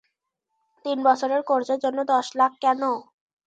তিন বছরের কোর্সের জন্য দশ লাখ কেন?